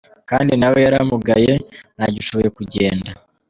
Kandi na we yaramugaye, ntagishoboye kugenda.